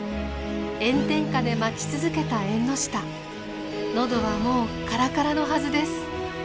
炎天下で待ち続けたエンノシタ喉はもうカラカラのはずです。